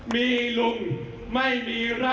มีลุงไม่มีพระ